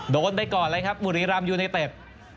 โดนไปก่อนเลยครับบุรีรำยูไนเต็ด